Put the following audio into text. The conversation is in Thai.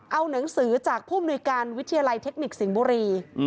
เอาหนังสือจากผู้มนุยการวิทยาลัยเทคนิคสิงห์บุรี